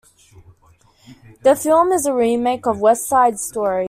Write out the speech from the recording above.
The film is a remake of "West Side Story".